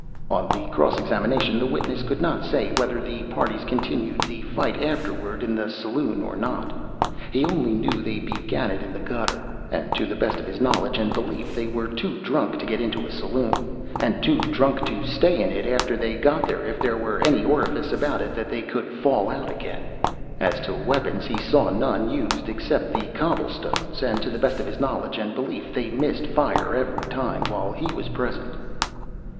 (On the cross examination, the witness could not say whether the parties continued the fight afterward in the saloon or not he only knew they began it in the gutter, and to the best of his knowledge and belief they were too drunk to get into a saloon, and too drunk to stay in it after they got there if there were any orifice about it that they could fall out again. As to weapons, he saw none used except the cobble stones, and to the best of his knowledge and belief they missed fire every time while he was present.)